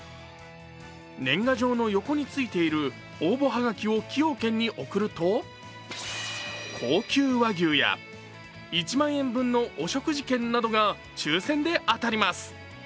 年賀状の横についている応募はがきを崎陽軒に送ると高級和牛や１万円分のお食事券などが抽選で当たります。